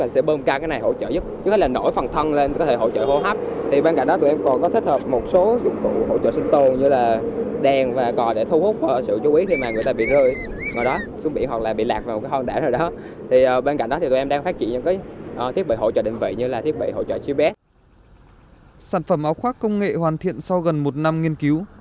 sản phẩm áo khoác công nghệ hoàn thiện sau gần một năm nghiên cứu